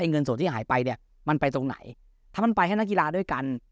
เงินส่วนที่หายไปเนี่ยมันไปตรงไหนถ้ามันไปให้นักกีฬาด้วยกัน